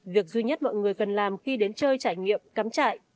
việc duy nhất mọi người cần làm khi đến chơi trải nghiệm cắm trại